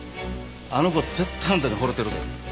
あの子絶対あんたに惚れてるで。